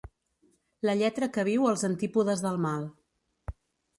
La lletra que viu als antípodes del mal.